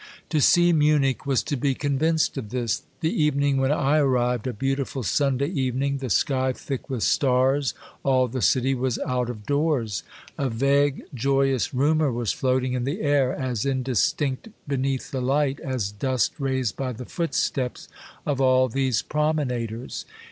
To see Munich was to be convinced of this. The evening when I arrived, a beautiful Sunday evening, the sky thick with stars, all the city was out of doors. A vague, joyous rumor was floating in the air, as indistinct beneath the light, as dust raised by the footsteps of all these promenaders.